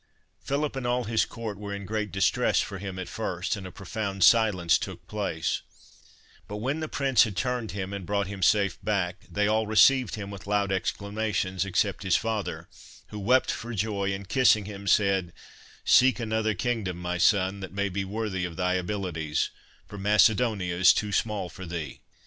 " Philip and all his court were in great distress for him at first, and a profound silence took place ; but when the prince had turned him and brought him safe back, they all received him with loud exclamations, except his father, who wept for joy, and kissing him, said, ' Seek another kingdom, my son, that may be worthy of thy abilities, for Macedonia is too small forthee.'"